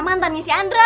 mantannya si andra